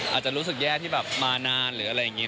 อาจจะรู้สึกแย่ที่แบบมานานหรืออะไรอย่างนี้